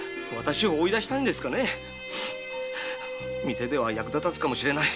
店では役立たずかもしれない。